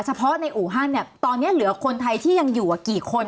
เฉพาะในอู่ฮั่นเนี่ยตอนนี้เหลือคนไทยที่ยังอยู่กี่คน